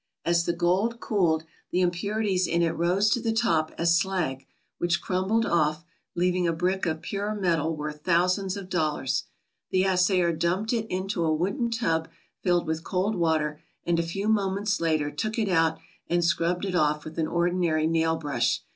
As the gold cooled, the impurities in it rose to the top as slag, which crumbled off, leaving a brick of pure metal worth thousands of dollars. The assayer dumped it into a wooden tub filled with cold water and a few moments later took it out and scrubbed it off with an ordinary nail brush.